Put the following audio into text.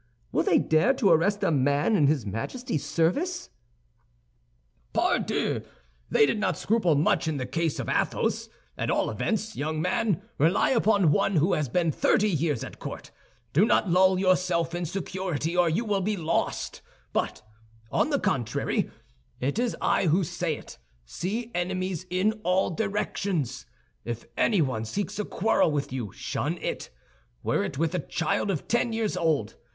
Will they dare to arrest a man in his Majesty's service?" "Pardieu! They did not scruple much in the case of Athos. At all events, young man, rely upon one who has been thirty years at court. Do not lull yourself in security, or you will be lost; but, on the contrary—and it is I who say it—see enemies in all directions. If anyone seeks a quarrel with you, shun it, were it with a child of ten years old.